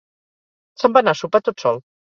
Se'n va anar a sopar tot sol